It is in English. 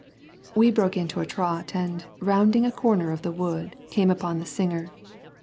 We broke into a trot and, rounding a corner of the wood, came upon the singer.